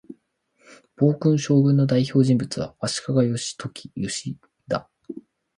暴君将軍の代表人物は、足利義教だ